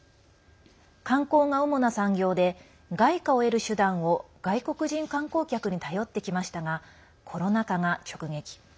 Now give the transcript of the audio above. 観光が主な産業で外貨を得る手段を外国人観光客に頼ってきましたがコロナ禍が直撃。